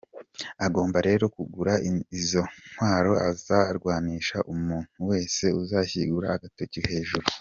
Agomba rero kugura izo ntwaro azarwanisha umuntu wese uzashyiura agatoki hejuru.